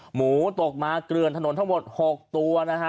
หมูตกมาเกลือนถนนทั้งหมด๖ตัวนะฮะ